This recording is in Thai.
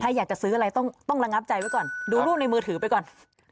ถ้าอยากจะซื้ออะไรต้องระงับใจไว้ก่อนดูรูปในมือถือไปก่อน